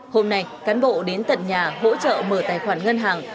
hôm nay cán bộ đến tận nhà hỗ trợ mở tài khoản ngân hàng